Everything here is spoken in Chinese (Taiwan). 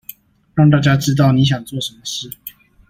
讓大家知道你想做什麼事